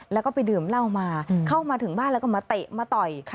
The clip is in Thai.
แล้วก็ไปดื่มเหล้ามาเข้ามาถึงบ้านแล้วก็มาเตะมาต่อย